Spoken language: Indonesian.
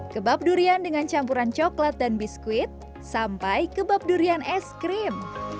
kebab durian dengan campuran coklat dan biskuit sampai kebab durian es krim